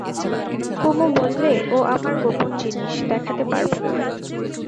কুমু বললে, ও আমার গোপন জিনিস, দেখাতে পারব না।